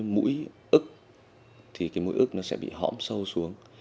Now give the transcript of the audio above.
mũi ức thì cái mùi ức nó sẽ bị hõm sâu xuống